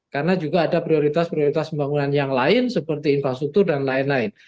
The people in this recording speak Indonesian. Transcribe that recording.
karena juga ada prioritas prioritas pembangunan yang lain seperti infrastruktur dan lain lain